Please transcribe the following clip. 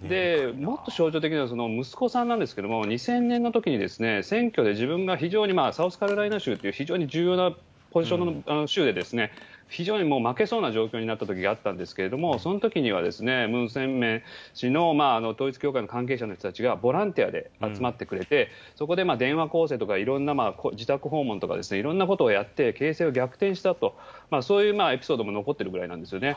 もっと象徴的なのはその息子さんなんですけれども、２０００年のときに、選挙で自分が非常にサウスカロライナ州という非常に重要なポジションの週で、非常に負けそうな状況になったときがあったんですけれども、そのときには、文鮮明氏の統一教会の関係者の人たちがボランティアで集まってくれて、そこで電話攻勢とかいろんな自宅訪問とかいろんなことをやって、形勢を逆転したと、そういうエピソードも残ってるぐらいなんですね。